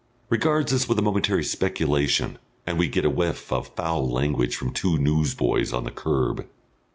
regards us with a momentary speculation, and we get a whiff of foul language from two newsboys on the kerb.